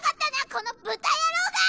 この豚野郎が！